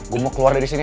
gue mau keluar dari sini